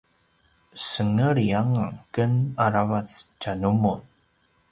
senglit anga ken aravac tja numun